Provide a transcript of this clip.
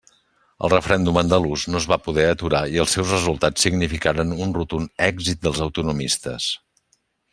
El referèndum andalús no es va poder aturar i els seus resultats significaren un rotund èxit dels autonomistes.